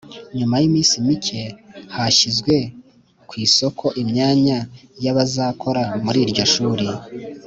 nyuma y’iminsi micye hashyizwe ku isoko imyanya y’abazakora muri iryo shuri,